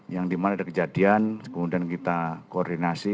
yang dimana ada kejadian kemudian kita koordinasi